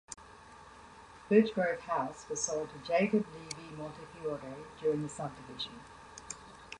Birchgrove House was sold to Jacob Levi Montefiore during the subdivision.